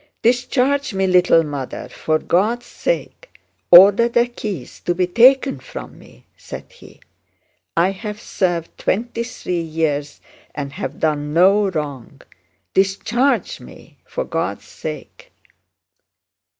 "Discharge me, little mother, for God's sake! Order the keys to be taken from me," said he. "I have served twenty three years and have done no wrong. Discharge me, for God's sake!"